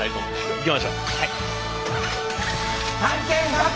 行きましょう。